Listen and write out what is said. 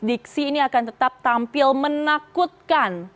dan dikira kira siapa saja yang akan tampil menakutkan